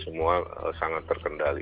semua sangat terkendali